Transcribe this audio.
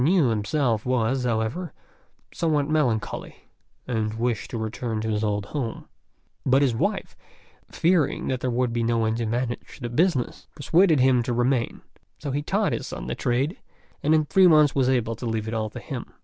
Niu himself was, however, somewhat melancholy, and wished to return to his old home; but his wife, fearing that there would be no one to manage the business, persuaded him to remain; so he taught his son the trade, and in three months was able to leave it all to him.